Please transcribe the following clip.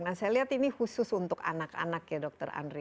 nah saya lihat ini khusus untuk anak anak ya dokter andri